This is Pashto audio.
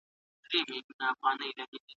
حکومت کله پوښتل کیږي؟